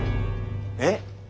えっ？